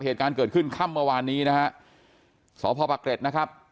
เหตุการณ์เกิดขึ้นค่ำเมื่อวานนี้นะฮะสพปะเกร็ดนะครับ